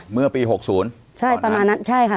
เมื่อปี๖๐ตอนนั้น